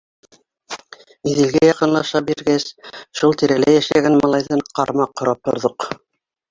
Иҙелгә яҡынлаша биргәс, шул тирәлә йәшәгән малайҙан ҡармаҡ һорап торҙоҡ.